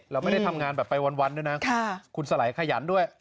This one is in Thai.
แล้วไม่ได้ทำงานแบบไปวันด้วยนะคุณสไหลขยันด้วย